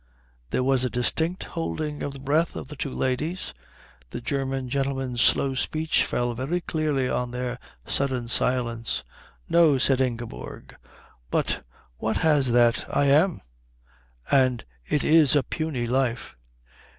There was a distinct holding of the breath of the two ladies. The German gentleman's slow speech fell very clearly on their sudden silence. "No," said Ingeborg. "But what has that " "I am. And it is a puny life."